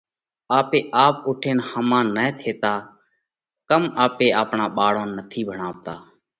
ڪم آپي آپ اُوٺينَ ۿما نه ٿيتا؟ ڪم آپي آپڻا ٻاۯ نٿِي ڀڻاوَتا؟